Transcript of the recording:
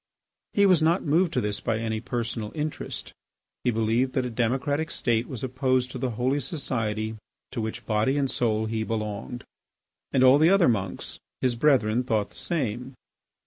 He was not moved to this by any personal interest. He believed that a democratic state was opposed to the holy society to which body and soul he belonged. And all the other monks, his brethren, thought the same.